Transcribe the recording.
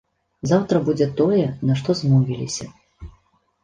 Заўтра будзе тое, на што змовіліся.